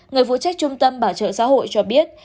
người vụ trách trung tâm bảo trợ xã hội cho biết